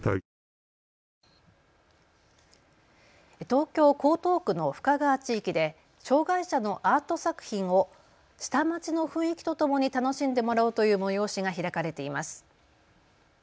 東京江東区の深川地域で障害者のアート作品を下町の雰囲気とともに楽しんでもらおうという催しが開かれています。